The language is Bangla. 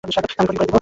আমি কোডিং করে দিবো।